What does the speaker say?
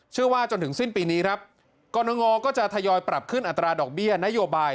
จนถึงสิ้นปีนี้ครับกรณงก็จะทยอยปรับขึ้นอัตราดอกเบี้ยนโยบาย